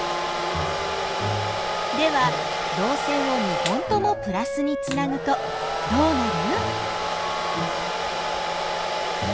ではどう線を２本ともプラスにつなぐとどうなる？